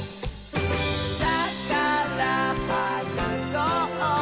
「だからはなそう！